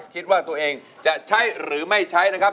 คิดว่าตัวเองจะใช้หรือไม่ใช้นะครับ